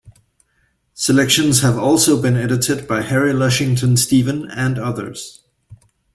Selections have also been edited by Harry Lushington Stephen and others.